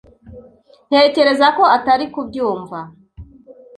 Ntekereza ko atari kubyumva.